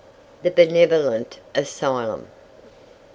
THE BENEVOLENT ASYLUM.